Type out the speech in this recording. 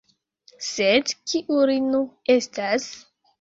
Sed kiu li nu estas?.